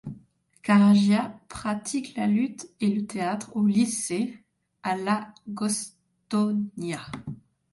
Karagias pratique la lutte et le théâtre au lycée à l' à Gastonia.